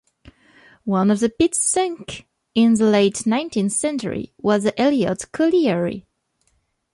One of the pits sunk in the late nineteenth century was the Elliot Colliery.